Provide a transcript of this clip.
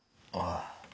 ああ。